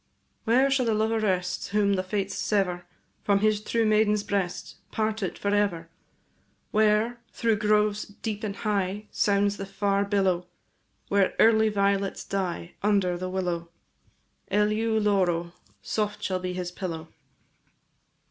Where shall the lover rest, Whom the fates sever From his true maiden's breast, Parted for ever? Where, through groves deep and high, Sounds the far billow; Where early violets die Under the willow. Eleu loro, &c. Soft shall be his pillow.